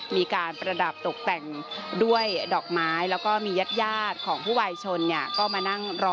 มีการประดับตกแต่งด้วยดอกไม้แล้วก็มีญาติยาดของผู้วายชนเนี่ยก็มานั่งรอ